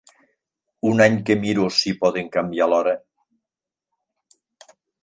Un any que miro si podem canviar l'hora.